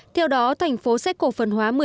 theo đó thành phố xét cổ phân hóa